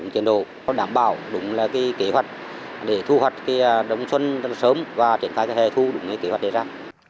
đã đảm bảo đúng là kế hoạch để thu hoạch đông xuân sớm và triển khai thể thu đúng kế hoạch để ra